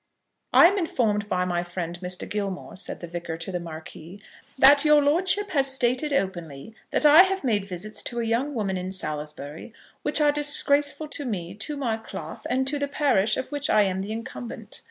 "I am informed by my friend, Mr. Gilmore," said the Vicar to the Marquis, "that your lordship has stated openly that I have made visits to a young woman in Salisbury which are disgraceful to me, to my cloth, and to the parish of which I am the incumbent.